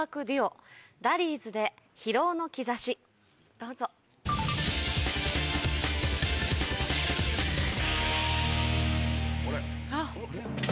どうぞ。あっ。